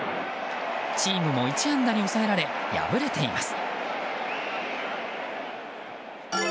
チームも１安打に抑えられ敗れています。